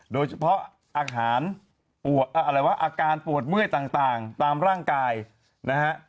โดยเฉพาะอาการปวดเมื่อยต่างตามร่างกายนะฮะ